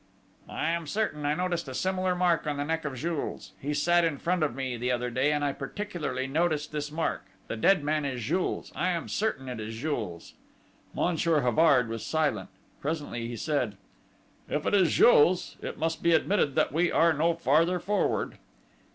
"I am certain I noticed a similar mark on the neck of Jules. He sat in front of me the other day, and I particularly noticed this mark. The dead man is Jules. I am certain it is Jules!" Monsieur Havard was silent. Presently he said: "If it is Jules ... it must be admitted that we are no further forward!"